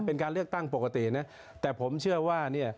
เป็นการเลือกตั้งปกตินะแต่ผมเชื่อว่าเนี่ย